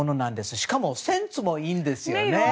しかもセンスもいいんですよね。